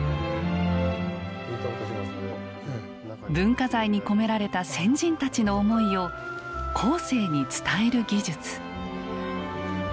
文化財に込められた先人たちの思いを後世に伝える技術。